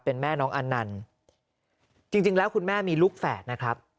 เป็นแม่น้องอันนันต์จริงแล้วคุณแม่มีลูกแฝดนะครับ